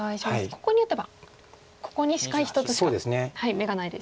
ここに打てばここにしか１つしか眼がないです。